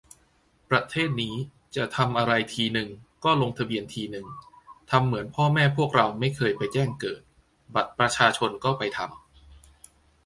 ประเทศนี้ จะทำอะไรทีนึง ก็ลงทะเบียนทีนึง ทำเหมือนพ่อแม่พวกเราไม่เคยไปแจ้งเกิด บัตรประชาชนก็ไปทำ